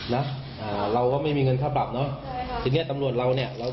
พี่ก็ไม่ได้มีเงินเยอะนะอันนี้พี่ให้เราไม่กินข้าว